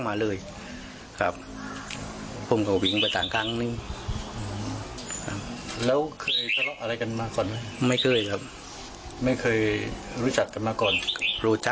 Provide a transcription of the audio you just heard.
การตกใจอยู่ข้างล่างนั่นล่ะ